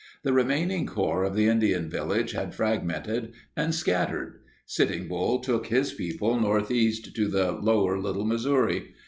11 the remaining core of the Indian village had frag mented and scattered. Sitting Bull took his people northeast to the lower Little Missouri.